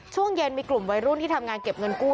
ช่วงเย็นมีกลุ่มวัยรุ่นที่ทำงานเก็บเงินกู้